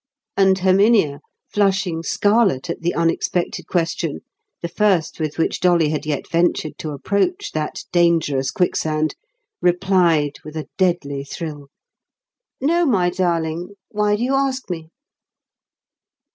And Herminia, flushing scarlet at the unexpected question, the first with which Dolly had yet ventured to approach that dangerous quicksand, replied with a deadly thrill, "No, my darling. Why do you ask me?"